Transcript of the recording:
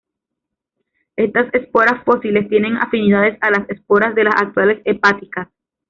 Estas esporas fósiles tienen afinidades a las esporas de las actuales hepáticas.